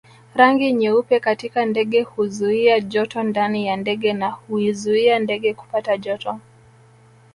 Rangi nyeupe katika ndege huzuia joto ndani ya ndege na huizuia ndege kupata joto